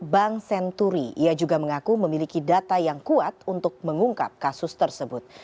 bank senturi ia juga mengaku memiliki data yang kuat untuk mengungkap kasus tersebut